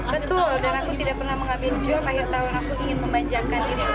betul dan aku tidak pernah mengambil job akhir tahun aku ingin memanjakan diri